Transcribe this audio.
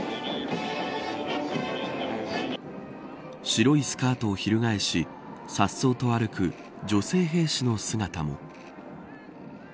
白いスカートをひるがえしさっそうと歩く女性兵士の姿も。